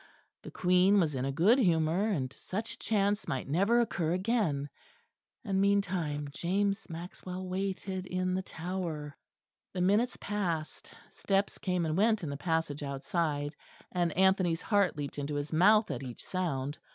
The Queen was in a good humour, and such a chance might never occur again; and meantime James Maxwell waited in the Tower. The minutes passed; steps came and went in the passage outside; and Anthony's heart leaped into his mouth at each sound.